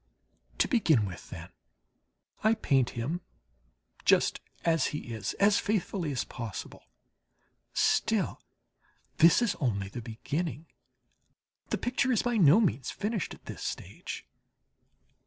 To begin with, then, I paint him just as he is, as faithfully as possible still this is only the beginning. The picture is by no means finished at this stage.